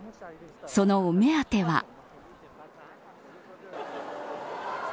そのお目当ては。